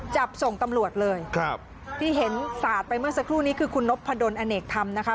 จับส่งตำรวจเลยครับที่เห็นสาดไปเมื่อสักครู่นี้คือคุณนพดลอเนกธรรมนะคะ